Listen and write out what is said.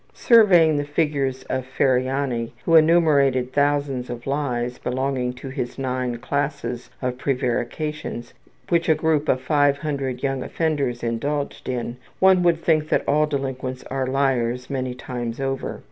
Surveying the figures of Ferriani who enumerated thousands of lies, belonging to his nine classes of prevarications, which a group of 500 young offenders indulged in, one would think that all delinquents are liars many times over.